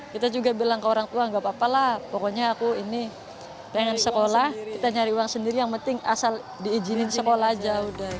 kita juga bilang ke orang tua nggak apa apa lah pokoknya aku ini pengen sekolah kita nyari uang sendiri yang penting asal diizinin sekolah aja